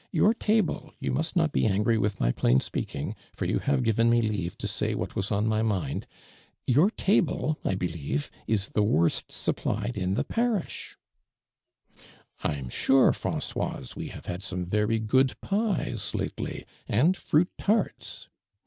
Your table (you must not bo an;^ry with my plain speaking, I'or you have given me leave to «ny what was on my mind), your table, 1 believe, is tiie worst supplied in the pari."!!." •• I'm sure, Francoise, we have had some very good pies lately and fruit tarts."'